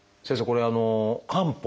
これ漢方。